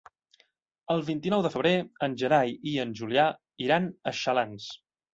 El vint-i-nou de febrer en Gerai i en Julià iran a Xalans.